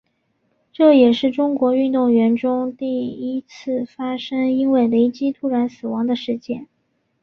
这也是中国运动员中第一次发生因为雷击突然死亡的事件。